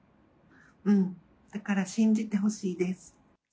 だから信じてほしいです。